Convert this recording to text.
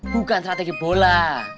bukan strategi bola